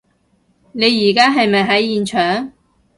你而家係咪喺現場？